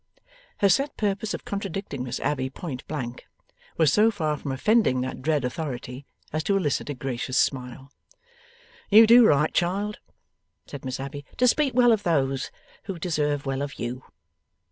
Her set purpose of contradicting Miss Abbey point blank, was so far from offending that dread authority, as to elicit a gracious smile. 'You do right, child,' said Miss Abbey, 'to speak well of those who deserve well of you.